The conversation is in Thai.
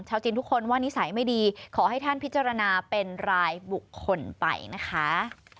จีนทุกคนว่านิสัยไม่ดีขอให้ท่านพิจารณาเป็นรายบุคคลไปนะคะ